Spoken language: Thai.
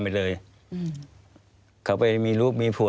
ควิทยาลัยเชียร์สวัสดีครับ